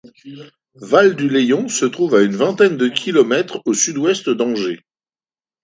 Val-du-Layon se trouve à une vingtaine de kilomètres au sud-ouest d'Angers.